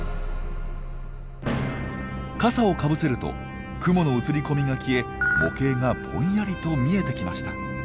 傘をかぶせると雲の映り込みが消え模型がぼんやりと見えてきました。